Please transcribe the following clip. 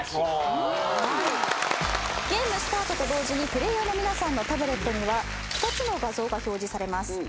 ゲームスタートと同時にプレーヤーの皆さんのタブレットには２つの画像が表示されます。